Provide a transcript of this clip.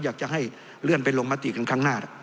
อยากจะให้เลื่อนไปลงมติกันครั้งหน้า